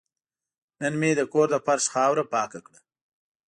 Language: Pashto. نن مې د کور د فرش خاوره پاکه کړه.